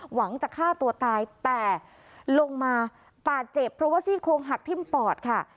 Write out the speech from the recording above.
หวังจะฆ่าตัวตายแต่ลงมาบาดเจ็บเพราะว่าซี่โคงหักทิ้มปอดค่ะ